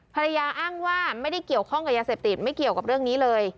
อ้างว่าไม่ได้เกี่ยวข้องกับยาเสพติดไม่เกี่ยวกับเรื่องนี้เลย